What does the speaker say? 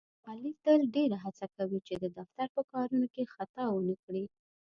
علي تل ډېره هڅه کوي، چې د دفتر په کارونو کې خطا ونه کړي.